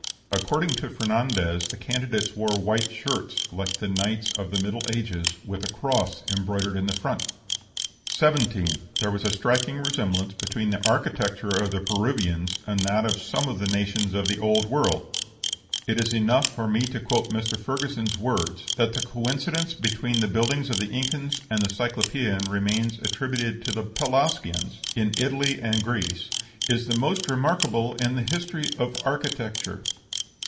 According to Fernandez, the candidates wore white shirts, like the knights of the Middle Ages, with a cross embroidered in front. 17. There was a striking resemblance between the architecture of the Peruvians and that of some of the nations of the Old World. It is enough for me to quote Mr. Ferguson's words, that the coincidence between the buildings of the Incas and the Cyclopean remains attributed to the Pelasgians in Italy and Greece "is the most remarkable in the history of architecture."